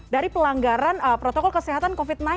dari pelanggaran protokol kesehatan covid sembilan belas